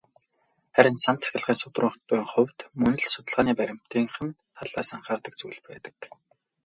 Харин "сан тахилгын судруудын" хувьд мөн л судалгааны баримтынх нь талаас анхаарах зүйлс байдаг.